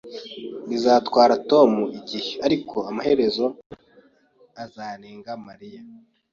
Bizatwara Tom igihe, ariko amaherezo azarenga Mariya